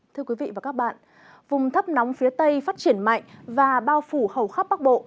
thưa quý vị và các bạn vùng thấp nóng phía tây phát triển mạnh và bao phủ hầu khắp bắc bộ